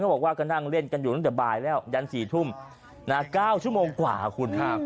บอกว่าก็นั่งเล่นกันอยู่ตั้งแต่บ่ายแล้วยัน๔ทุ่ม๙ชั่วโมงกว่าคุณ